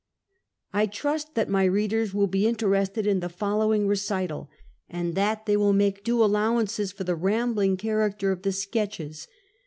I trust that my readers will be interested in the following recital, and that they will make due allow ances for the rambling character of the sketches.